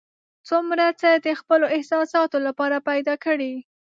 څومره څه د خپلو احساساتو لپاره پیدا کړي.